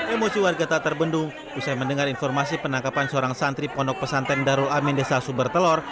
emosi warga tak terbendung usai mendengar informasi penangkapan seorang santri pondok pesantren darul amin desa sumbertelor